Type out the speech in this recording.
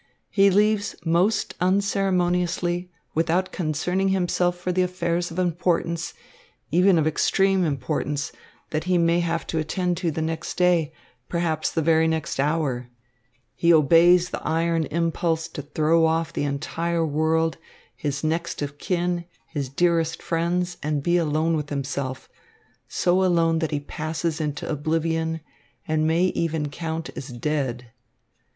He leaves most unceremoniously, without concerning himself for the affairs of importance, even of extreme importance, that he may have to attend to the next day, perhaps the very next hour. He obeys the iron impulse to throw off the entire world, his next of kin, his dearest friends, and be alone with himself, so alone that he passes into oblivion and may even count as dead.